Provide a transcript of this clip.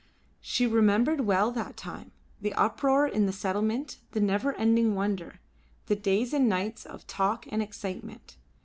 She remembered well that time; the uproar in the settlement, the never ending wonder, the days and nights of talk and excitement.